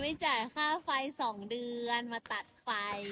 จ่ายค่าไฟ๒เดือนมาตัดไฟ